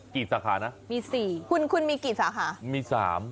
กี่สาขาน่ะมี๔คุณมีกี่สาขามี๓